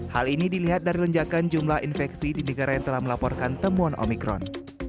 hal ini dilihat dari lonjakan jumlah infeksi di negara yang telah melaporkan temuan omikron